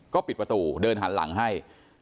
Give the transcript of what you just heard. ก็ปิดประตูเดินหันหลังให้